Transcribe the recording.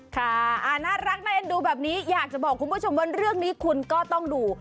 ค่ะน่ารักน่าเอ็นดูแบบนี้อยากจะบอกคุณผู้ชมว่าเรื่องนี้คุณก็ต้องดู